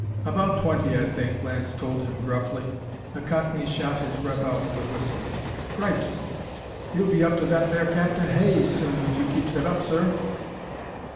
"About twenty, I think," Lance told him gruffly. The cockney shot his breath out with a whistle. "Cripes! You'll be up to that there Captain Hay soon if you keeps it up, sir!"